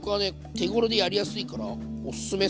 手ごろでやりやすいからおすすめっすね。